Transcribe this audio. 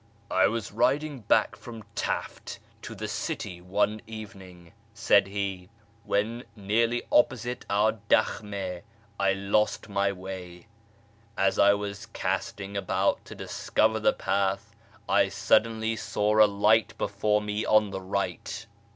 " I was riding back from Taft to the city one evening," said he, " when, nearly opposite our daJihmd, I lost my way. As I was casting about to discover the path, I suddenly saw a light before me on the right.